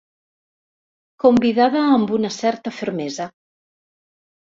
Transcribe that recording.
Convidada amb una certa fermesa.